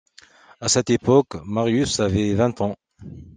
À cette époque, Marius avait vingt ans.